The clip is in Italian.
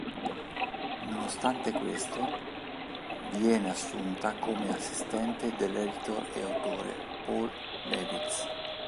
Nonostante questo viene assunta come assistente dell'editor e autore Paul Levitz.